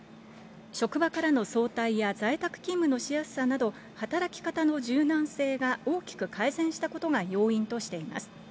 職場からの早退や在宅勤務のしやすさなど、働き方の柔軟性が大きく改善したことが要因としています。